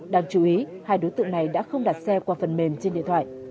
đáng chú ý hai đối tượng này đã không đặt xe qua phần mềm trên điện thoại